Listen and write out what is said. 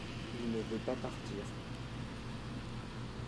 il ne veut pas partir.